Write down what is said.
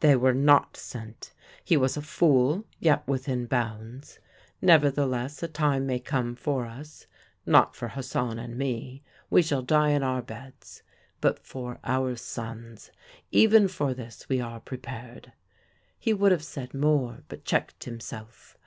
"'They were not sent. He was a fool, yet within bounds. Nevertheless a time may come for us not for Hassan and me, we shall die in our beds but for our sons. Even for this we are prepared.' He would have said more, but checked himself.